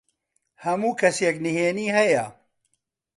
هەموو کەسێک نهێنیی هەیە.